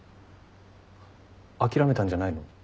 諦めたんじゃないの？